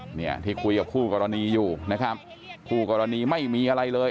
เนี่ยที่คุยกับคู่กรณีอยู่นะครับคู่กรณีไม่มีอะไรเลย